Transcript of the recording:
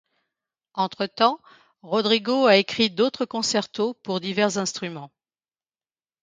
Entre-temps, Rodrigo a écrit d'autres concertos pour divers instruments.